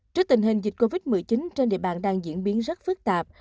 trước tình hình dịch covid một mươi chín trên địa bàn đang diễn biến rất phức tạp